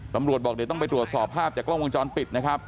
ตำรวจบอกเดี๋ยวต้องไปตรวจสอบภาพจากกล้องวงจรปิดนะครับ